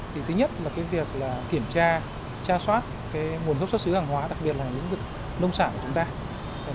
thứ nhất là việc kiểm tra tra soát nguồn gốc xuất xứ hàng hóa đặc biệt là lĩnh vực nông sản của chúng ta